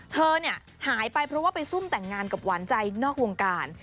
เธอเนี่ยหายไปเพราะว่าไปซุ่มแต่งงานกับหวานใจนอกวงการ